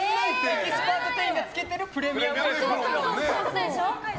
エキスパート店員が着けてるプレミアムエプロンです。